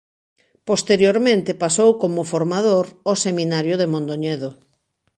Posteriormente pasou como formador ao Seminario de Mondoñedo.